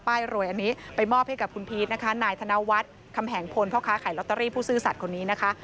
รวยอันนี้ไปมอบให้กับคุณพีชนะคะนายธนวัฒน์คำแหงพลพ่อค้าขายลอตเตอรี่ผู้ซื่อสัตว์คนนี้นะคะ